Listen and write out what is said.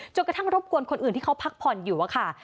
กระทั่งรบกวนคนอื่นที่เขาพักผ่อนอยู่อะค่ะ